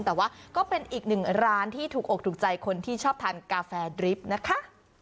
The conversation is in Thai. แต่ว่าก็เป็นอีกหนึ่งร้านที่ถูกอกถูกใจคนที่ชอบทานกาแฟดริฟต์นะคะ